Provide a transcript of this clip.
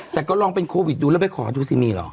แต่ก็ลองเป็นโควิดดูแล้วไปขอดูสิมีเหรอ